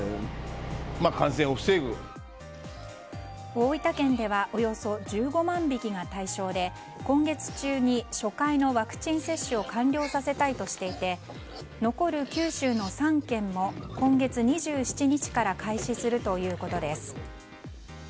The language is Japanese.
大分県ではおよそ１５万匹が対象で今月中に初回のワクチン接種を完了させたいとしていて残る九州の３県も今月２７日から開始するということです。